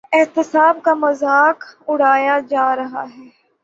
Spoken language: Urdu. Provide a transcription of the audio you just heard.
احتساب کا مذاق اڑایا جا رہا تھا۔